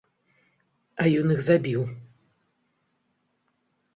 А ён іх забіў.